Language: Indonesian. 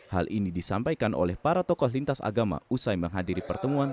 hal ini disampaikan oleh para tokoh lintas agama usai menghadiri pertemuan